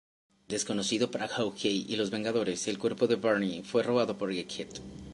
Desconocido para Hawkeye y los Vengadores, el cuerpo de Barney fue robado por Egghead.